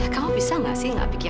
kamu bisa gak sih gak pikiran